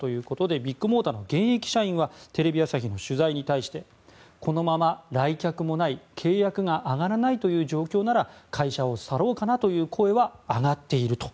ビッグモーターの現役社員はテレビ朝日の取材に対してこのまま来客もない契約が上がらないという状況なら会社を去ろうかなという声は上がっていると。